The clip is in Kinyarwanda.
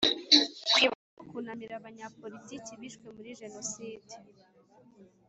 Kwibuka no kunamira Abanyapolitiki bishwe muri Jenoside